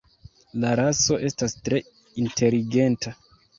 La raso estas tre inteligenta.